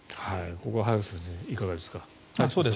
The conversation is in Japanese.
ここは早坂先生、いかがですか。